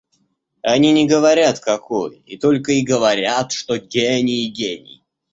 А они не говорят, какой, и только и говорят, что гений и гений.